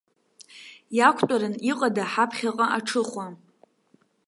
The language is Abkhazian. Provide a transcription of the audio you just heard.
Иақәтәаран иҟада ҳаԥхьаҟа аҽыхәа?